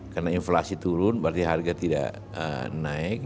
karena inflasi turun berarti harga tidak naik